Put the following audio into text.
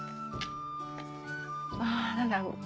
あ何だろう。